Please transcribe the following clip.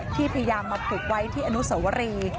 ที่พยายามมาปลูกไว้ที่อนุสวรี